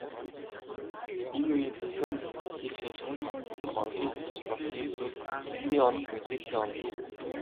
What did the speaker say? Энэ үеийн цахим хэлшинжлэлд холбогдох онолын хөгжил бол хийсвэр хэлний онол, мэдээллийн онол юм.